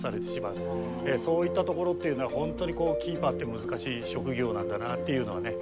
そういったところっていうのはホントにキーパーって難しい職業なんだなっていうのはね